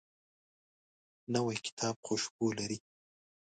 نوی کتاب خوشبو لري